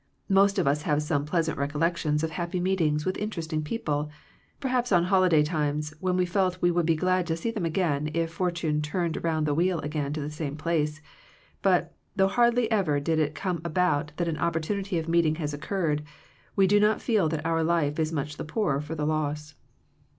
Most of us have some pleasant recollections of happy meetings with interesting people, per haps on holiday times, when we felt W4 would be glad to see them again if for tune turned round the wheel again to the same place; but, though hardly ever did it come about that an opportunity of meeting has occurred, we do not feel that our life is much the poorer for the loss.